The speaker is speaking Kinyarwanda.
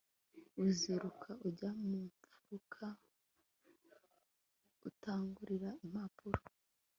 uziruka ujya mu mfuruka ukangurira impapuro